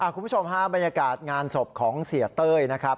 คุณผู้ชมฮะบรรยากาศงานศพของเสียเต้ยนะครับ